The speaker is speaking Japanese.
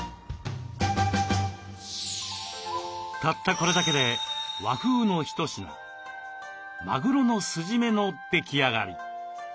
たったこれだけで和風の一品「マグロの酢じめ」の出来上がり。